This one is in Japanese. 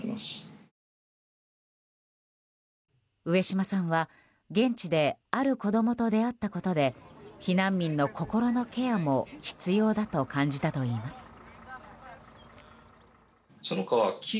上島さんは現地である子供と出会ったことで避難民の心のケアも必要だと感じたといいます。